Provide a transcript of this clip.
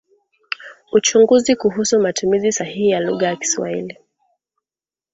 uchunguzi kuhusu matumizi sahihi ya lugha ya Kiswahili